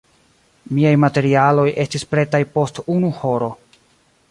Miaj materialoj estis pretaj post unu horo.